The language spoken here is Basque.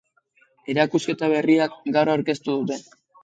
Erakusketa berria gaur aurkeztu dute.